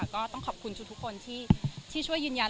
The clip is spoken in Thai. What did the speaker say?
ก็ต้องขอบคุณทุกคนที่ช่วยยืนยัน